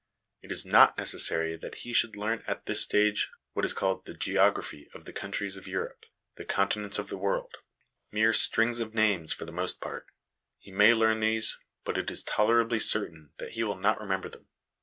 It is not necessary that he should learn at this stage what is called the 'geography* of the countries of Europe, the continents of the world mere strings of LESSONS AS INSTRUMENTS OF EDUCATION 275 names for the most part : he may learn these, but it is tolerably certain that he will not remember them.